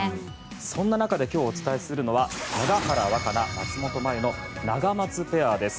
そんな中で今日、お伝えするのは永原和可那、松本麻佑のナガマツペアです。